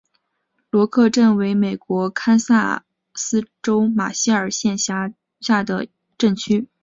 罗克镇区为美国堪萨斯州马歇尔县辖下的镇区。